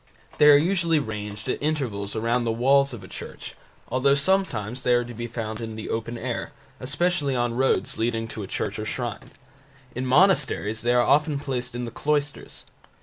They are usually ranged at intervals around the walls of a church, though sometimes they are to be found in the open air, especially on roads leading to a church or shrine. In monasteries they are often placed in the cloisters.